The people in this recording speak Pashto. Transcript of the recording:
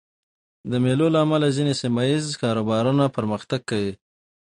د مېلو له امله ځيني سیمه ییز کاروبارونه پرمختګ کوي.